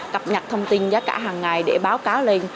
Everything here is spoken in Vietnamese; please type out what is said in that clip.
cập nhật thông tin giá cả hàng ngày để báo cáo lên